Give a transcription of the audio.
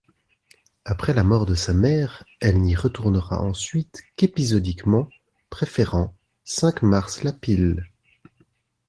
Après la mort de sa mère, elle n’y retournera ensuite qu’épisodiquement, préférant Cinq-Mars-la-Pile.